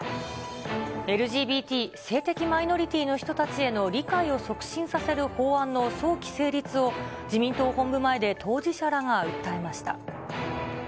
ＬＧＢＴ・性的マイノリティーの人たちの理解を促進させる法案の早期成立を自民党本部前で当事者らが訴えました。